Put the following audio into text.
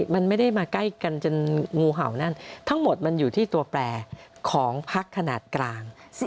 มันไม่ได้มาใกล้กันจนงูเห่านั่นทั้งหมดมันอยู่ที่ตัวแปลของพักขนาดกลาง